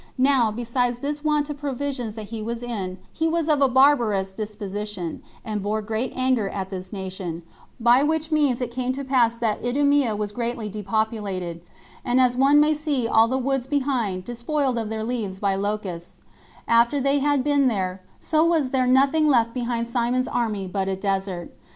Now, besides this want of provisions that he was in, he was of a barbarous disposition, and bore great anger at this nation, by which means it came to pass that Idumea was greatly depopulated; and as one may see all the woods behind despoiled of their leaves by locusts, after they have been there, so was there nothing left behind Simon's army but a desert.